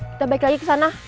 kita balik lagi ke sana